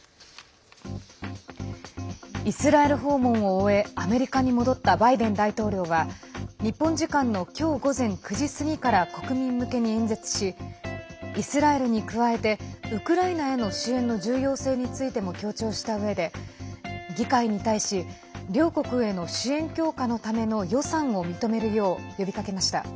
イスラエル訪問を終えアメリカに戻ったバイデン大統領は日本時間の今日午前９時過ぎから国民向けに演説しイスラエルに加えてウクライナへの支援の重要性についても強調したうえで議会に対し両国への支援強化のための予算を認めるよう呼びかけました。